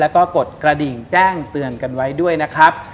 แล้วก็กดกระดิ่งแจ้งเตือนกันไว้ด้วยนะครับ